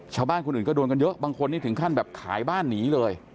คนอื่นก็โดนกันเยอะบางคนนี่ถึงขั้นแบบขายบ้านหนีเลย